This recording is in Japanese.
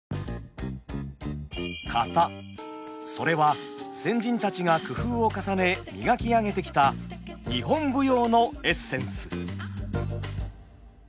それは先人たちが工夫を重ね磨き上げてきた日本舞踊のエッセンス。